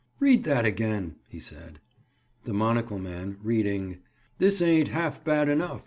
"Read that again," he said. The monocle man, reading: "'This ain't half bad enough.